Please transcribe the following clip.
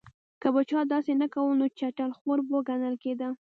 که به چا داسې نه کول نو چټل خور به ګڼل کېده.